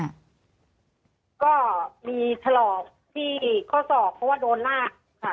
ก็มีถลอกที่ข้อศอกเพราะว่าโดนหน้าค่ะ